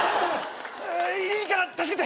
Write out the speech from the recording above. いいから助けて！